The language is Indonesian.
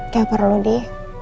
gak perlu di